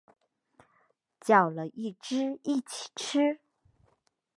叫了一只一起吃